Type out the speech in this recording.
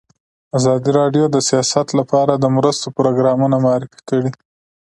ازادي راډیو د سیاست لپاره د مرستو پروګرامونه معرفي کړي.